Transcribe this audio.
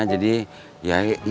jadi ya agak malem gitu